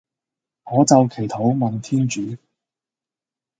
我就祈禱問天主